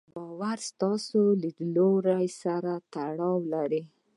باور ستاسې له ليدلوري سره تړاو لري.